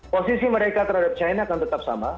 posisi mereka terhadap china akan tetap sama